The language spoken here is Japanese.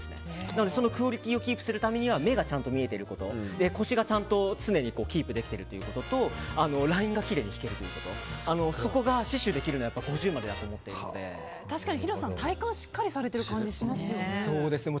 なので、そのクオリティーをキープするためには目がちゃんと見えていること腰がちゃんと常にキープできていることとラインがきれいに引けることそこが死守できるのは確かにヒロさん体幹しっかりされてる感じしますよね。